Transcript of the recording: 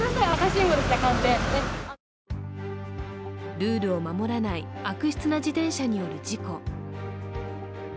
ルールを守らない悪質な自転車による事故。